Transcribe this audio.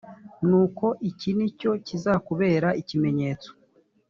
nuko iki ni cyo kizakubera ikimenyetso